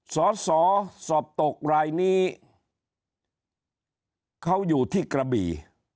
สอสอสอบตกรายนี้เขาอยู่ที่กระบี่